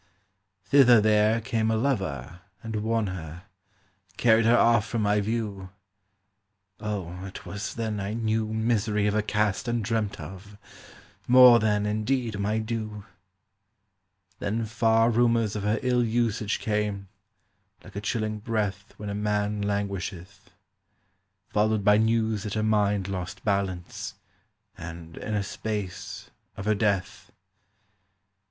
"Thither there came a lover and won her, Carried her off from my view. O it was then I knew Misery of a cast undreamt of— More than, indeed, my due! "Then far rumours of her ill usage Came, like a chilling breath When a man languisheth; Followed by news that her mind lost balance, And, in a space, of her death.